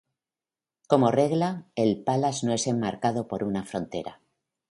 Como regla, el palas no es enmarcado por una frontera.